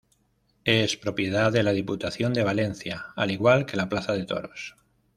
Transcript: Es propiedad de la Diputación de Valencia, al igual que la plaza de toros.